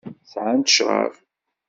Sɛant ccṛab.